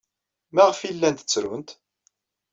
Maɣef ay llant ttrunt?